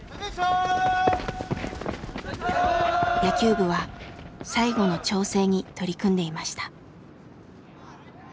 野球部は最後の調整に取り組んでいました。